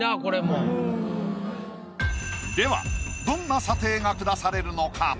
どんな査定が下されるのか？